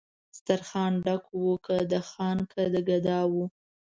سترخان ډک و که د خان که د ګدا وو